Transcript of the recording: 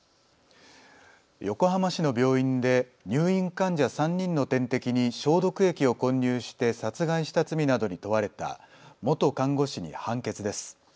横浜市の病院で入院患者３人の点滴に消毒液を混入して殺害した罪などに問われた元看護師に判決です。